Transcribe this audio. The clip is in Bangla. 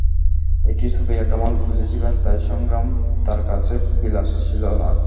এটি সুফিয়া কামাল বুঝেছিলেন, তাই সংগ্রাম তাঁর কাছে বিলাস ছিল না।